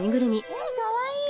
えかわいい！